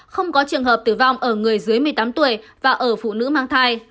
không có trường hợp tử vong ở người dưới một mươi tám tuổi và ở phụ nữ mang thai